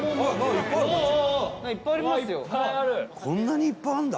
伊達：こんなにいっぱいあるんだ。